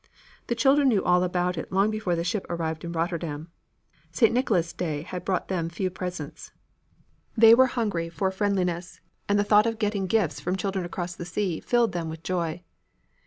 The children knew all about it long before the ship arrived in Rotterdam. St. Nicholas' day had brought them few presents. They were hungry for friendliness, and the thought of getting gifts from children across the sea filled them with joy.